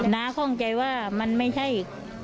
น้าคล่องใจว่ามันไม่ใช่